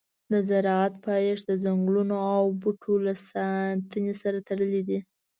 د زراعت پایښت د ځنګلونو او بوټو له ساتنې سره تړلی دی.